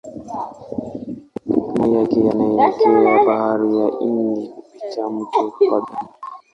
Maji yake yanaelekea Bahari ya Hindi kupitia mto Pangani.